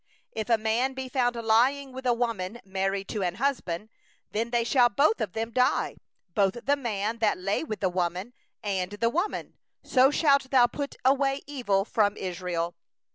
22If a man be found lying with a woman married to a husband, then they shall both of them die, the man that lay with the woman, and the woman; so shalt thou put away the evil from Israel.